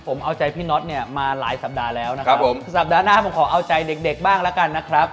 ผมเอาใจพี่น็อตเนี่ยมาหลายสัปดาห์แล้วนะครับผมสัปดาห์หน้าผมขอเอาใจเด็กเด็กบ้างแล้วกันนะครับ